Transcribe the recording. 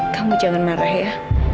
kamu jangan marah ya